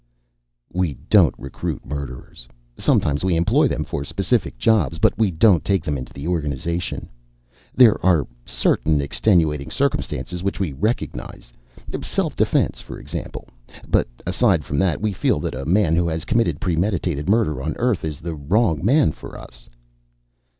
"We don't recruit murderers. Sometimes we employ them for specific jobs, but we don't take them into the organization. There are certain extenuating circumstances which we recognize; self defense, for example. But aside from that, we feel that a man who has committed premeditated murder on Earth is the wrong man for us."